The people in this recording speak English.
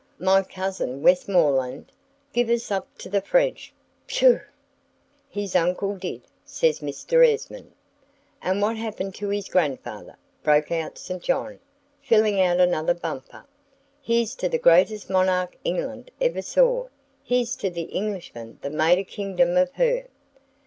My Cousin Westmoreland? Give us up to the French, pshaw!" "His uncle did," says Mr. Esmond. "And what happened to his grandfather?" broke out St. John, filling out another bumper. "Here's to the greatest monarch England ever saw; here's to the Englishman that made a kingdom of her.